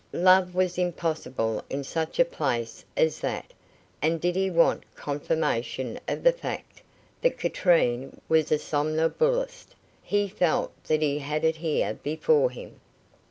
Love was impossible in such a place as that; and did he want confirmation of the fact that Katrine was a somnambulist, he felt that he had it here before him.